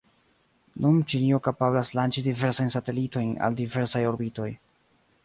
Nun Ĉinio kapablas lanĉi diversajn satelitojn al diversaj orbitoj.